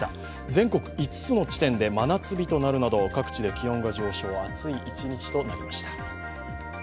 全国５つの地点で真夏日となるなど、各地で気温が上昇、暑い一日となりました。